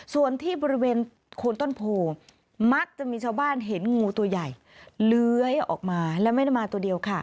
ส่วนที่บริเวณโคนต้นโพมักจะมีชาวบ้านเห็นงูตัวใหญ่เลื้อยออกมาและไม่ได้มาตัวเดียวค่ะ